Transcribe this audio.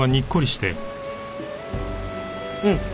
うん。